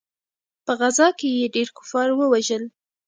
په غزا کښې يې ډېر کفار ووژل.